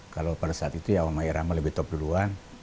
kalau pada saat itu ya oma irama lebih top duluan